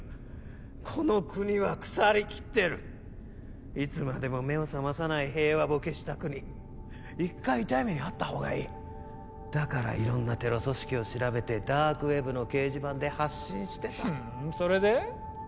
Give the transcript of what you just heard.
この国は腐りきってるいつまでも目を覚まさない平和ボケした国一回痛い目に遭った方がいいだから色んなテロ組織を調べてダークウェブの掲示板で発信してたふんそれで？